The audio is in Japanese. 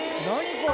これ。